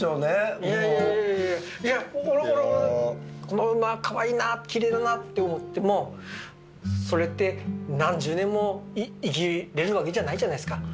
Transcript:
この馬かわいいなきれいだなって思ってもそれって何十年も生きれるわけじゃないじゃないすか。